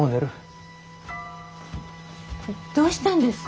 どうしたんです？